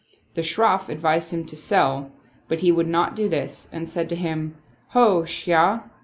The Shroff advised him to sell, but he would not do this and said to him, "Ho, shaykh!